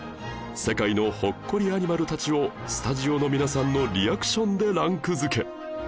世界のほっこりアニマルたちをスタジオの皆さんのリアクションでランク付け